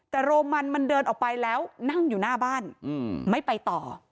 แต่โรมันมันเดินออกไปแล้วนั่งอยู่หน้าบ้านไม่ไปต่อ